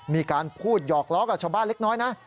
มีการพูดหยอกล้อกับชาวบ้านเล็กน้อยนะ